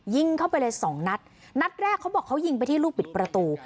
ยิงเข้าไปเลยสองนัดนัดแรกเขาบอกเขายิงไปที่ลูกปิดประตู